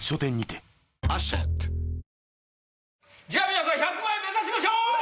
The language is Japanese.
皆さん１００万円目指しましょう！